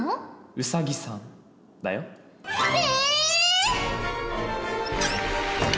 「ウサギさん」だよ。え！？